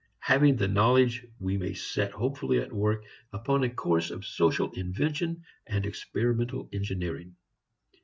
Having the knowledge we may set hopefully at work upon a course of social invention and experimental engineering.